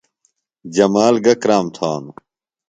جمال گہ کرام تھانُوۡ؟